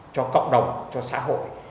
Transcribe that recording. cho cộng đồng cho xã hội